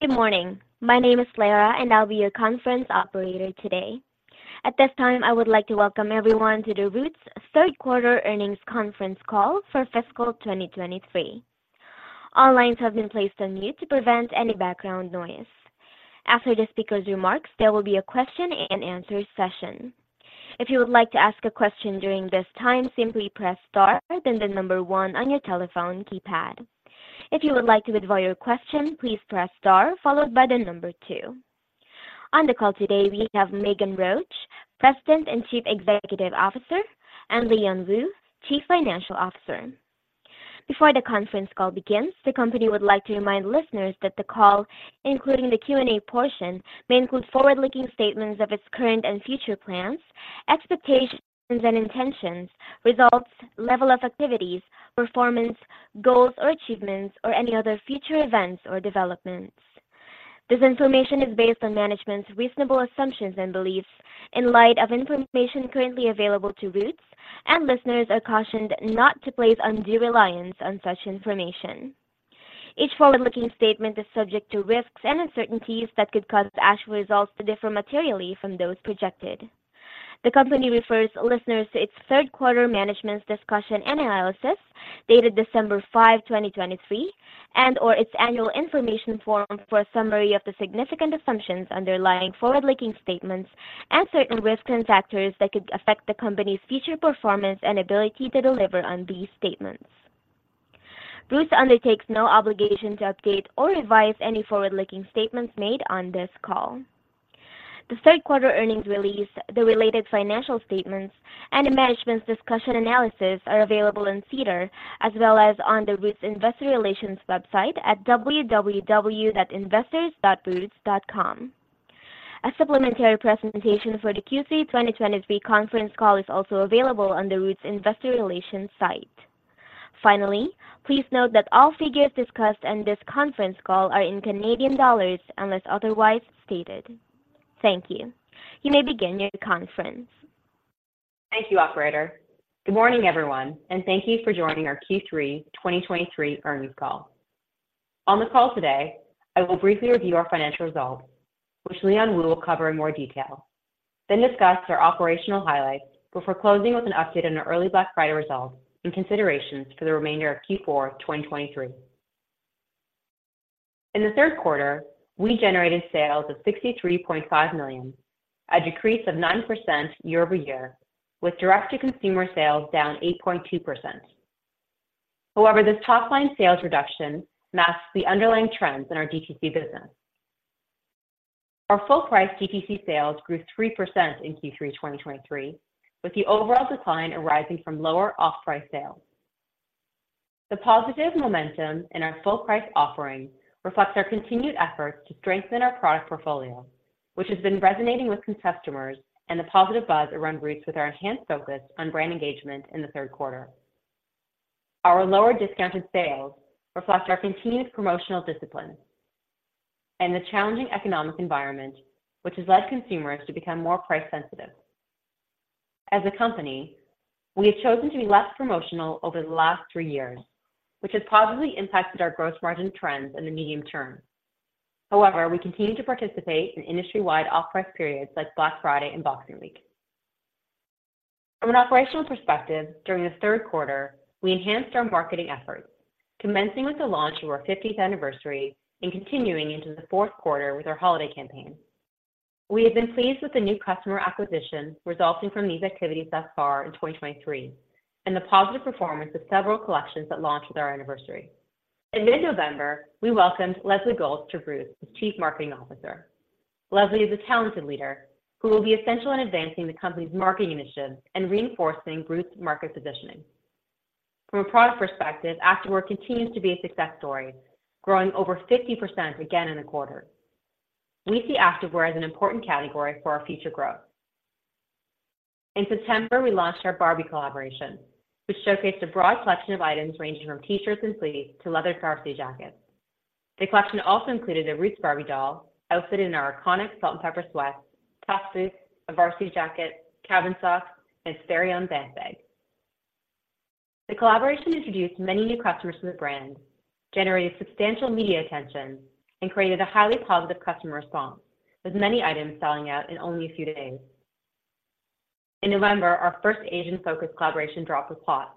Good morning. My name is Lara, and I'll be your conference operator today. At this time, I would like to welcome everyone to the Roots third quarter earnings conference call for fiscal 2023. All lines have been placed on mute to prevent any background noise. After the speaker's remarks, there will be a question and answer session. If you would like to ask a question during this time, simply press Star, then the number one on your telephone keypad. If you would like to withdraw your question, please press Star followed by the number two. On the call today, we have Meghan Roach, President and Chief Executive Officer, and Leon Wu, Chief Financial Officer. Before the conference call begins, the company would like to remind listeners that the call, including the Q&A portion, may include forward-looking statements of its current and future plans, expectations and intentions, results, level of activities, performance, goals or achievements, or any other future events or developments. This information is based on management's reasonable assumptions and beliefs in light of information currently available to Roots, and listeners are cautioned not to place undue reliance on such information. Each forward-looking statement is subject to risks and uncertainties that could cause actual results to differ materially from those projected. The company refers listeners to its third quarter Management's Discussion and Analysis, dated December 5, 2023, and or its Annual Information Form for a summary of the significant assumptions underlying forward-looking statements and certain risks and factors that could affect the company's future performance and ability to deliver on these statements. Roots undertakes no obligation to update or revise any forward-looking statements made on this call. The third quarter earnings release, the related financial statements, and the Management's Discussion and Analysis are available in SEDAR as well as on the Roots Investor Relations website at www.investors.roots.com. A supplementary presentation for the Q3 2023 conference call is also available on the Roots Investor Relations site. Finally, please note that all figures discussed on this conference call are in Canadian dollars unless otherwise stated. Thank you. You may begin your conference. Thank you, operator. Good morning, everyone, and thank you for joining our Q3 2023 earnings call. On the call today, I will briefly review our financial results, which Leon Wu will cover in more detail, then discuss our operational highlights before closing with an update on our early Black Friday results and considerations for the remainder of Q4 2023. In the third quarter, we generated sales of 63.5 million, a decrease of 9% year-over-year, with direct-to-consumer sales down 8.2%. However, this top-line sales reduction masks the underlying trends in our DTC business. Our full-price DTC sales grew 3% in Q3 2023, with the overall decline arising from lower off-price sales. The positive momentum in our full price offering reflects our continued efforts to strengthen our product portfolio, which has been resonating with customers and the positive buzz around Roots with our enhanced focus on brand engagement in the third quarter. Our lower discounted sales reflects our continued promotional discipline and the challenging economic environment, which has led consumers to become more price sensitive. As a company, we have chosen to be less promotional over the last three years, which has positively impacted our gross margin trends in the medium term. However, we continue to participate in industry-wide off-price periods like Black Friday and Boxing Week. From an operational perspective, during the third quarter, we enhanced our marketing efforts, commencing with the launch of our fiftieth anniversary and continuing into the fourth quarter with our holiday campaign. We have been pleased with the new customer acquisition resulting from these activities thus far in 2023 and the positive performance of several collections that launched with our anniversary. In mid-November, we welcomed Leslie Golts to Roots as Chief Marketing Officer. Leslie is a talented leader who will be essential in advancing the company's marketing initiatives and reinforcing Roots' market positioning. From a product perspective, activewear continues to be a success story, growing over 50% again in the quarter. We see activewear as an important category for our future growth. In September, we launched our Barbie collaboration, which showcased a broad collection of items ranging from T-shirts and fleece to leather varsity jackets. The collection also included a Roots Barbie doll outfitted in our iconic Salt & Pepper sweat, toque, a varsity jacket, Cabin socks, and our very own bag. The collaboration introduced many new customers to the brand, generated substantial media attention, and created a highly positive customer response, with many items selling out in only a few days. In November, our first Asian-focused collaboration dropped with CLOT.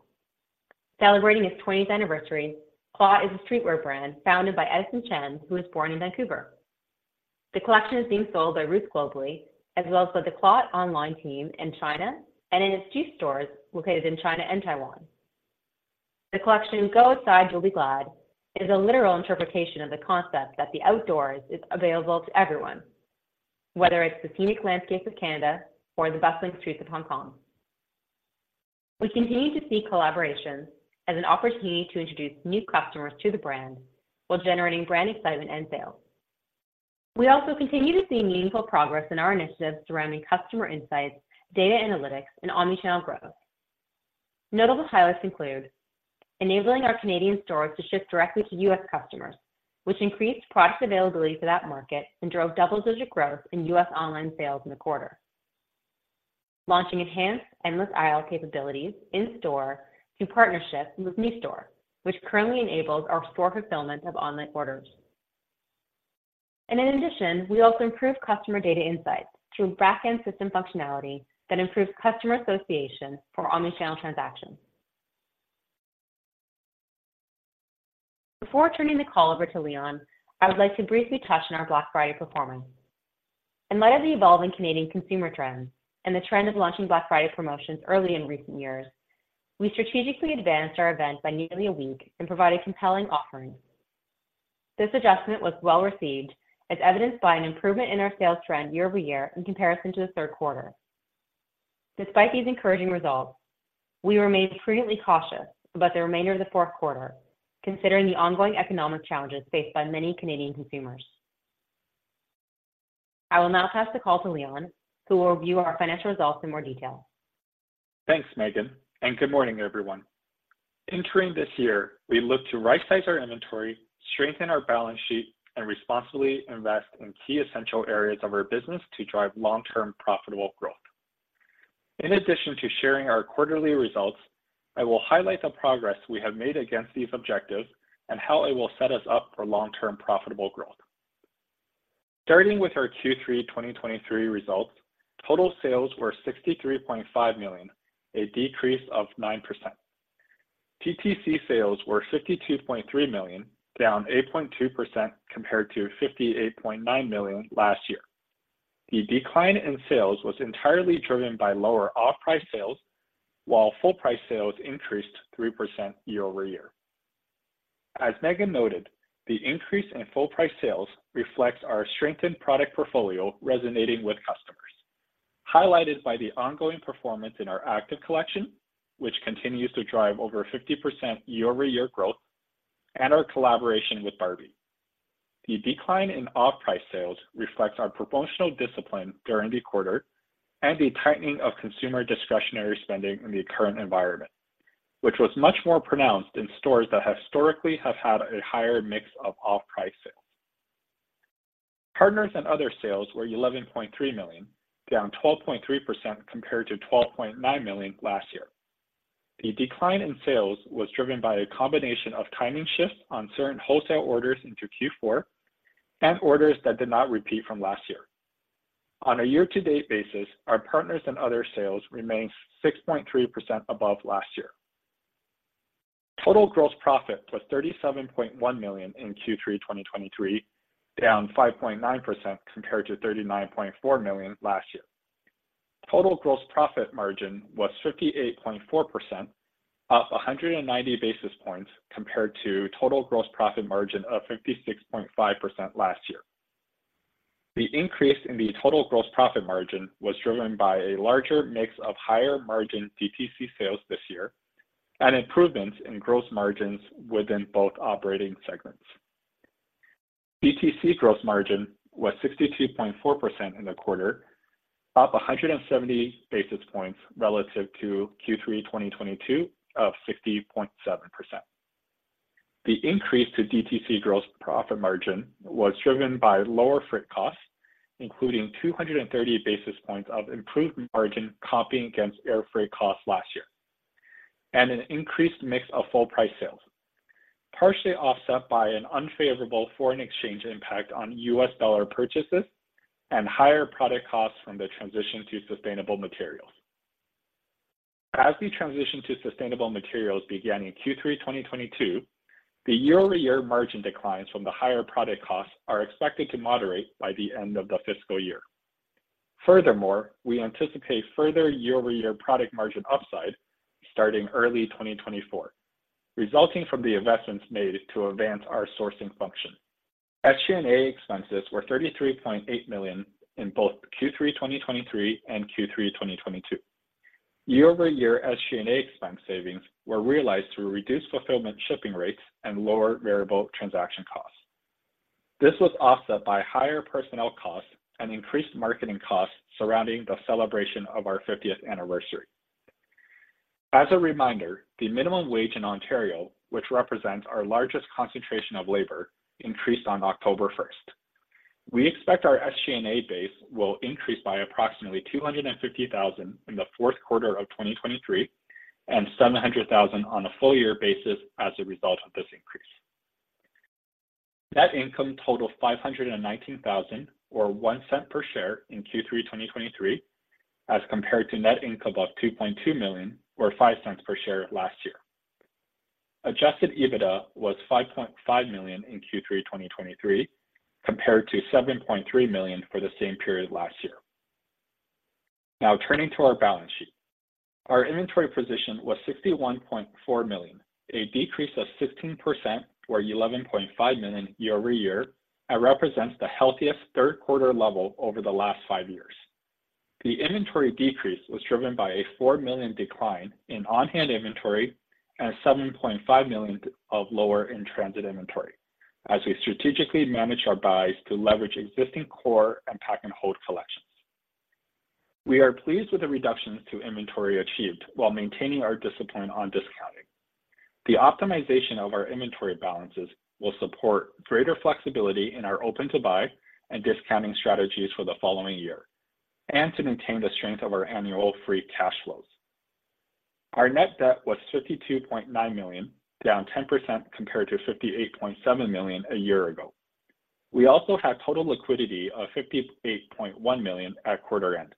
Celebrating its twentieth anniversary, CLOT is a streetwear brand founded by Edison Chen, who was born in Vancouver. The collection is being sold by Roots globally, as well as by the CLOT online team in China and in its two stores located in China and Taiwan. The collection, Go Outside, You'll Be Glad, is a literal interpretation of the concept that the outdoors is available to everyone, whether it's the scenic landscapes of Canada or the bustling streets of Hong Kong. We continue to see collaborations as an opportunity to introduce new customers to the brand while generating brand excitement and sales. We also continue to see meaningful progress in our initiatives surrounding customer insights, data analytics, and omnichannel growth. Notable highlights include enabling our Canadian stores to ship directly to U.S. customers, which increased product availability for that market and drove double-digit growth in U.S. online sales in the quarter, launching enhanced endless aisle capabilities in-store through partnership with NewStore, which currently enables our store fulfillment of online orders. And in addition, we also improve customer data insights through backend system functionality that improves customer association for omnichannel transactions. Before turning the call over to Leon, I would like to briefly touch on our Black Friday performance. In light of the evolving Canadian consumer trends and the trend of launching Black Friday promotions early in recent years, we strategically advanced our event by nearly a week and provided compelling offerings. This adjustment was well-received, as evidenced by an improvement in our sales trend year-over-year in comparison to the third quarter. Despite these encouraging results, we remain prudently cautious about the remainder of the fourth quarter, considering the ongoing economic challenges faced by many Canadian consumers. I will now pass the call to Leon, who will review our financial results in more detail. Thanks, Meghan, and good morning, everyone. Entering this year, we look to right-size our inventory, strengthen our balance sheet, and responsibly invest in key essential areas of our business to drive long-term profitable growth. In addition to sharing our quarterly results, I will highlight the progress we have made against these objectives and how it will set us up for long-term profitable growth. Starting with our Q3 2023 results, total sales were 63.5 million, a decrease of 9%. DTC sales were 52.3 million, down 8.2% compared to 58.9 million last year. The decline in sales was entirely driven by lower off-price sales, while full price sales increased 3% year-over-year. As Meghan noted, the increase in full price sales reflects our strengthened product portfolio resonating with customers, highlighted by the ongoing performance in our active collection, which continues to drive over 50% year-over-year growth, and our collaboration with Barbie. The decline in off-price sales reflects our promotional discipline during the quarter and the tightening of consumer discretionary spending in the current environment, which was much more pronounced in stores that historically have had a higher mix of off-price sales. Partners and other sales were 11.3 million, down 12.3% compared to 12.9 million last year. The decline in sales was driven by a combination of timing shifts on certain wholesale orders into Q4 and orders that did not repeat from last year. On a year-to-date basis, our partners and other sales remain 6.3% above last year. Total gross profit was 37.1 million in Q3 2023, down 5.9% compared to 39.4 million last year. Total gross profit margin was 58.4%, up 190 basis points compared to total gross profit margin of 56.5% last year. The increase in the total gross profit margin was driven by a larger mix of higher-margin DTC sales this year and improvements in gross margins within both operating segments. DTC gross margin was 62.4% in the quarter, up 170 basis points relative to Q3 2022 of 60.7%. The increase to DTC gross profit margin was driven by lower freight costs, including 230 basis points of improved margin lapping against air freight costs last year, and an increased mix of full price sales, partially offset by an unfavorable foreign exchange impact on US dollar purchases and higher product costs from the transition to sustainable materials. As the transition to sustainable materials began in Q3 2022, the year-over-year margin declines from the higher product costs are expected to moderate by the end of the fiscal year. Furthermore, we anticipate further year-over-year product margin upside starting early 2024, resulting from the investments made to advance our sourcing function. SG&A expenses were 33.8 million in both Q3 2023 and Q3 2022. Year-over-year SG&A expense savings were realized through reduced fulfillment shipping rates and lower variable transaction costs. This was offset by higher personnel costs and increased marketing costs surrounding the celebration of our 50th anniversary. As a reminder, the minimum wage in Ontario, which represents our largest concentration of labor, increased on October 1. We expect our SG&A base will increase by approximately 250,000 in the fourth quarter of 2023 and 700,000 on a full year basis as a result of this increase. Net income totaled 519,000 or 0.01 per share in Q3 2023, as compared to net income of 2.2 million, or 0.05 per share last year. Adjusted EBITDA was 5.5 million in Q3 2023, compared to 7.3 million for the same period last year. Now, turning to our balance sheet. Our inventory position was 61.4 million, a decrease of 16%, or 11.5 million year-over-year, and represents the healthiest third quarter level over the last five years. The inventory decrease was driven by a 4 million decline in on-hand inventory and a 7.5 million of lower in-transit inventory as we strategically managed our buys to leverage existing core and pack and hold collections. We are pleased with the reductions to inventory achieved while maintaining our discipline on discounting.... The optimization of our inventory balances will support greater flexibility in our open-to-buy and discounting strategies for the following year and to maintain the strength of our annual free cash flows. Our net debt was 52.9 million, down 10% compared to 58.7 million a year ago. We also had total liquidity of 58.1 million at quarter end,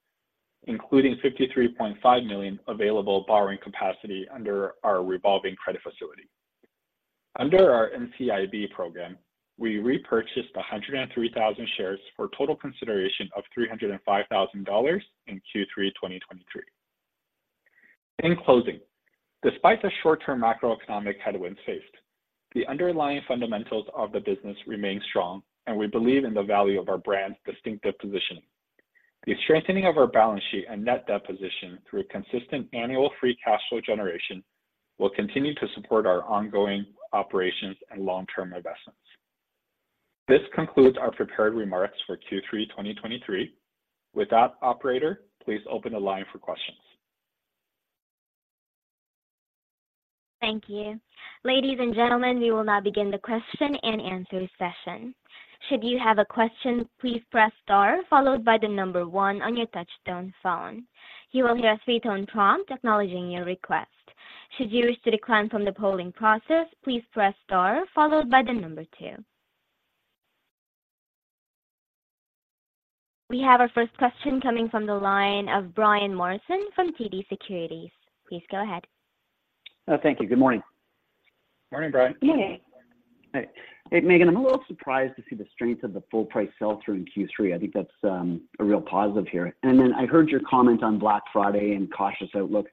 including 53.5 million available borrowing capacity under our revolving credit facility. Under our NCIB program, we repurchased 103,000 shares for total consideration of 305,000 dollars in Q3 2023. In closing, despite the short-term macroeconomic headwinds faced, the underlying fundamentals of the business remain strong, and we believe in the value of our brand's distinctive positioning. The strengthening of our balance sheet and net debt position through a consistent annual free cash flow generation will continue to support our ongoing operations and long-term investments. This concludes our prepared remarks for Q3 2023. With that, operator, please open the line for questions. Thank you. Ladies and gentlemen, we will now begin the question and answer session. Should you have a question, please press star followed by the number 1 on your touchtone phone. You will hear a 3-tone prompt acknowledging your request. Should you wish to decline from the polling process, please press star followed by the number 2. We have our first question coming from the line of Brian Morrison from TD Securities. Please go ahead. Thank you. Good morning. Morning, Brian. Good morning. Hey. Hey, Meghan, I'm a little surprised to see the strength of the full price sell-through in Q3. I think that's a real positive here. And then I heard your comments on Black Friday and cautious outlook.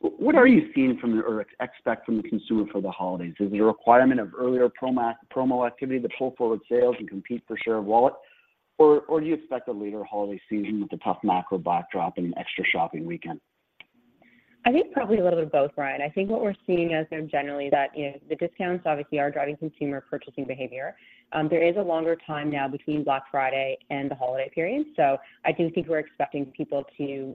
What are you seeing from the or expect from the consumer for the holidays? Is it a requirement of earlier promo activity to pull forward sales and compete for share of wallet, or do you expect a later holiday season with a tough macro backdrop and extra shopping weekend? I think probably a little bit of both, Brian. I think what we're seeing is that generally that, you know, the discounts obviously are driving consumer purchasing behavior. There is a longer time now between Black Friday and the holiday period, so I do think we're expecting people to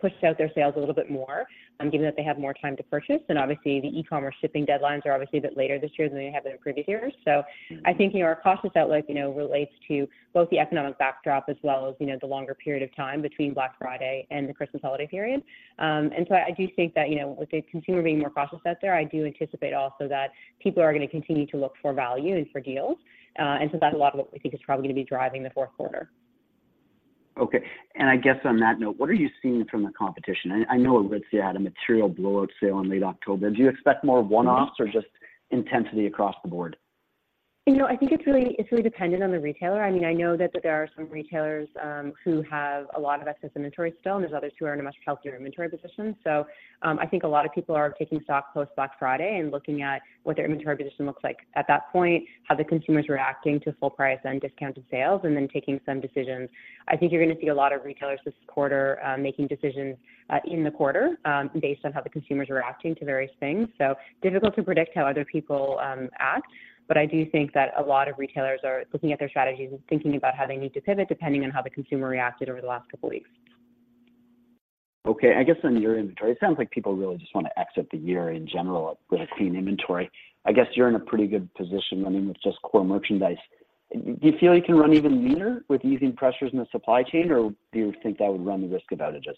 push out their sales a little bit more, given that they have more time to purchase. And obviously, the e-commerce shipping deadlines are obviously a bit later this year than they have been in previous years. So I think, you know, our cautious outlook, you know, relates to both the economic backdrop as well as, you know, the longer period of time between Black Friday and the Christmas holiday period. And so I do think that, you know, with the consumer being more cautious out there, I do anticipate also that people are going to continue to look for value and for deals. And so that's a lot of what we think is probably going to be driving the fourth quarter. Okay. And I guess on that note, what are you seeing from the competition? I know Aritzia had a material blowout sale in late October. Do you expect more one-offs or just intensity across the board? You know, I think it's really dependent on the retailer. I mean, I know that there are some retailers who have a lot of excess inventory still, and there's others who are in a much healthier inventory position. So, I think a lot of people are taking stock post-Black Friday and looking at what their inventory position looks like at that point, how the consumer is reacting to full price and discounted sales, and then taking some decisions. I think you're going to see a lot of retailers this quarter making decisions in the quarter based on how the consumer is reacting to various things. So difficult to predict how other people, act, but I do think that a lot of retailers are looking at their strategies and thinking about how they need to pivot, depending on how the consumer reacted over the last couple of weeks. Okay. I guess on your inventory, it sounds like people really just want to exit the year in general with a clean inventory. I guess you're in a pretty good position, I mean, with just core merchandise. Do you feel you can run even leaner with easing pressures in the supply chain, or do you think that would run the risk of outages?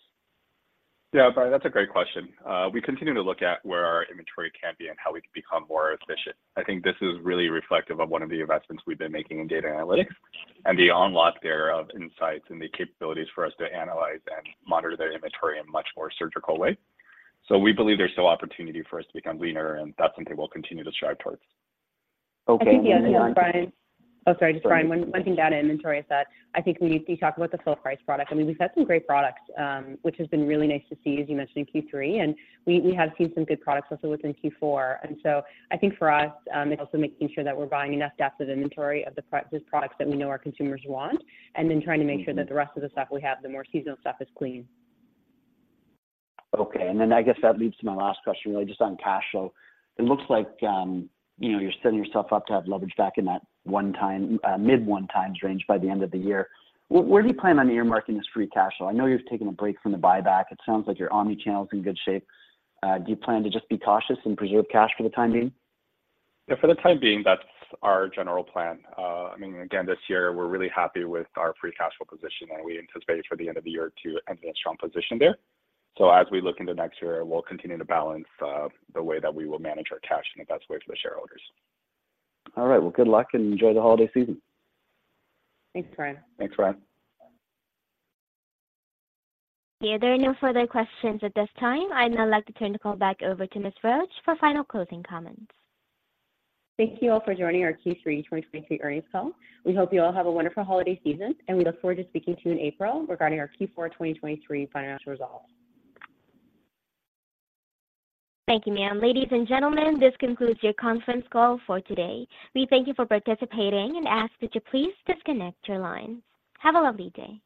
Yeah, Brian, that's a great question. We continue to look at where our inventory can be and how we can become more efficient. I think this is really reflective of one of the investments we've been making in data analytics and the unlock there of insights and the capabilities for us to analyze and monitor the inventory in a much more surgical way. So we believe there's still opportunity for us to become leaner, and that's something we'll continue to strive towards. Okay. I think, yeah, Brian... Oh, sorry, just Brian, one thing to add to inventory is that I think we need to talk about the full price product. I mean, we've had some great products, which has been really nice to see, as you mentioned in Q3, and we have seen some good products also within Q4. And so I think for us, it's also making sure that we're buying enough depths of inventory of the products that we know our consumers want, and then trying to make sure that the rest of the stuff we have, the more seasonal stuff, is clean. Okay. And then I guess that leads to my last question, really, just on cash flow. It looks like, you know, you're setting yourself up to have leverage back in that 1x, mid-1x range by the end of the year. Where do you plan on earmarking this free cash flow? I know you've taken a break from the buyback. It sounds like your omnichannel is in good shape. Do you plan to just be cautious and preserve cash for the time being? Yeah, for the time being, that's our general plan. I mean, again, this year, we're really happy with our free cash flow position, and we anticipate for the end of the year to end in a strong position there. So as we look into next year, we'll continue to balance the way that we will manage our cash in the best way for the shareholders. All right. Well, good luck and enjoy the holiday season. Thanks, Brian. Thanks, Brian. There are no further questions at this time. I'd now like to turn the call back over to Ms. Roach for final closing comments. Thank you all for joining our Q3 2023 earnings call. We hope you all have a wonderful holiday season, and we look forward to speaking to you in April regarding our Q4 2023 financial results. Thank you, ma'am. Ladies and gentlemen, this concludes your conference call for today. We thank you for participating and ask that you please disconnect your line. Have a lovely day.